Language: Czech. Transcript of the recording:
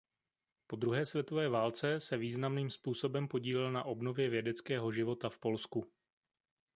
Po druhé světové válce se významným způsobem podílel na obnově vědeckého života v Polsku.